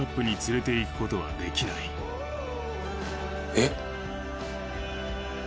えっ。